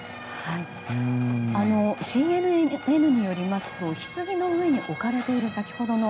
ＣＮＮによりますとひつぎの上に置かれている花